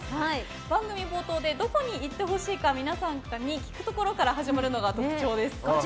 番組冒頭でどこに行ってほしいか皆さんに聞くところから始まるのが特徴です。